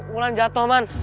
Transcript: wulan jatuh man